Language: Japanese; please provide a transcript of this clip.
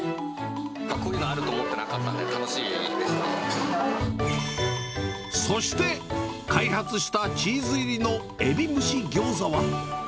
こういうのあると思ってなかそして、開発したチーズ入りのエビ蒸しギョーザは。